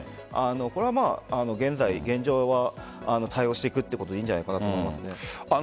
これで対応していくということでいいんじゃないかなと思います。